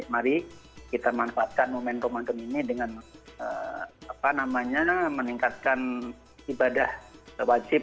mari kita manfaatkan momen ramadan ini dengan meningkatkan ibadah wajib